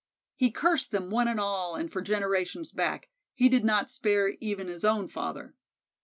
He cursed them one and all and for generations back; he did not spare even his own father.